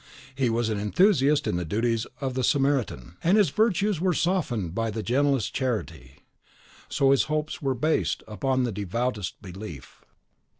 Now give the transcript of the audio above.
He was an enthusiast in the duties of the Samaritan; and as his virtues were softened by the gentlest charity, so his hopes were based upon the devoutest belief.